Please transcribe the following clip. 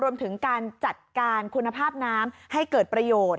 รวมถึงการจัดการคุณภาพน้ำให้เกิดประโยชน์